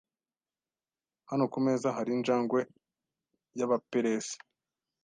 Hano ku meza hari injangwe y’Abaperesi.